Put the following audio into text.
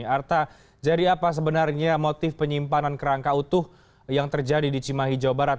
arta jadi apa sebenarnya motif penyimpanan kerangka utuh yang terjadi di cimahi jawa barat